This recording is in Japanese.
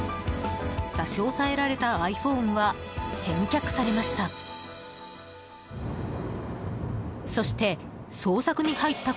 差し押さえられたｉＰｈｏｎｅは返却されました。